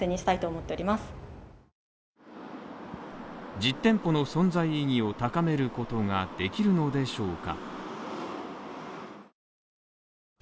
実店舗の存在意義を高めることができるのでしょうか。